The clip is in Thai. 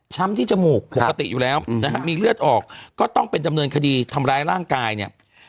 ที่จมูกปกติอยู่แล้วนะฮะมีเลือดออกก็ต้องเป็นดำเนินคดีทำร้ายร่างกายเนี่ย